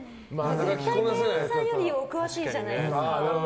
絶対、店員さんよりお詳しいじゃないですか。